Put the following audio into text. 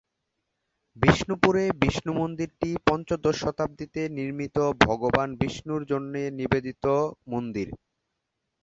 বিষ্ণুপুরের বিষ্ণু মন্দিরটি পঞ্চদশ শতাব্দীতে নির্মিত ভগবান বিষ্ণুর জন্যে নিবেদিত মন্দির।